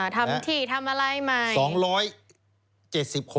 ทำที่ทำอะไรใหม่